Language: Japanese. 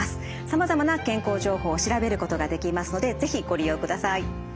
さまざまな健康情報を調べることができますので是非ご利用ください。